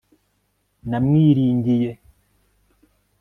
namwiringiye